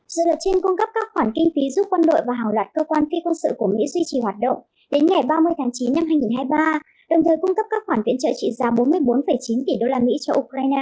dự luật trên cung cấp các khoản kinh phí giúp quân đội và hàng loạt cơ quan phi quân sự của mỹ duy trì hoạt động đến ngày ba mươi tháng chín năm hai nghìn hai mươi ba đồng thời cung cấp các khoản viện trợ trị giá bốn mươi bốn chín tỷ usd cho ukraine